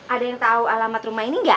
ada yang tahu alamat rumah ini nggak